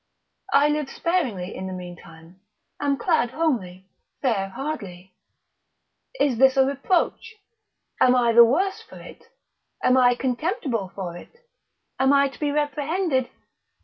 I live sparingly, in the mean time, am clad homely, fare hardly; is this a reproach? am I the worse for it? am I contemptible for it? am I to be reprehended?